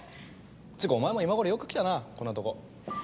っつうかお前も今ごろよく来たなこんなとこ。